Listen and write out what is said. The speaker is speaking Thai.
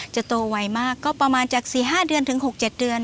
โตไวมากก็ประมาณจาก๔๕เดือนถึง๖๗เดือน